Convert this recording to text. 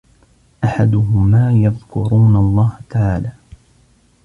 أَحَدُهُمَا يَذْكُرُونَ اللَّهَ تَعَالَى